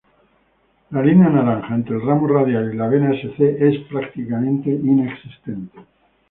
La línea naranja entre el ramo radial y la vena Sc es prácticamente inexistente.